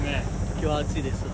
今日は暑いですわ。